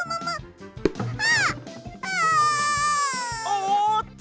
おっと！